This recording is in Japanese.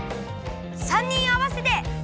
３にんあわせて。